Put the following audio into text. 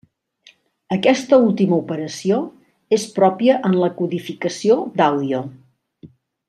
Aquesta última operació és pròpia en la codificació d'àudio.